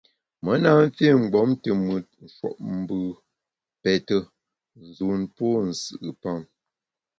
Me na mfi mgbom te mùt nshuopmbù, pète, nzun pô nsù’pam.